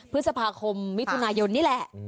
พฤษภาคมมิถุนายนนี่แหละ